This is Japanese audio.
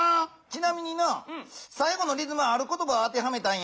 ちなみになさい後のリズムはある言ばを当てはめたんやで。